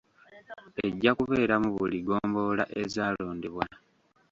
Ejja kubeera mu buli ggombolola ezaalondebwa.